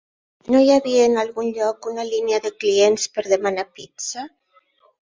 No hi havia en algun lloc una línia de clients per demanar pizza?